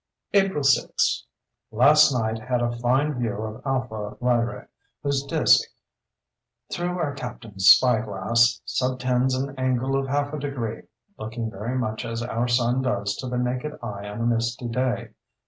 April 6.—Last night had a fine view of Alpha Lyrae, whose disk, through our captain's spy glass, subtends an angle of half a degree, looking very much as our sun does to the naked eye on a misty day.